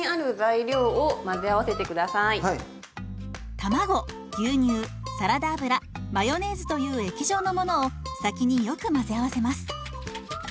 卵牛乳サラダ油マヨネーズという液状のものを先によく混ぜ合わせます。